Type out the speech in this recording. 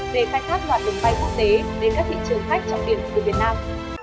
về khai thác loạt đồng bay quốc tế đến các thị trường khách trọng điểm từ việt nam